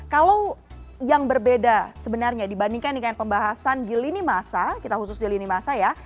kalau yang berbeda sebenarnya dibandingkan dengan pembahasan di lini masa kita khusus di lini masa ya